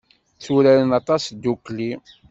Tturaren aṭas ddukkli.